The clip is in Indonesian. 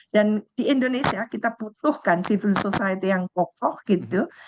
dan di indonesia kita butuhkan civil society yang kokoh gitu